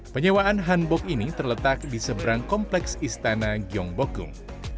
penyewaan hanbok ini terletak di seberang kompleks istana gyeongbokung